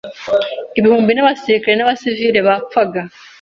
Ibihumbi n’abasirikare n’abasivili bapfaga.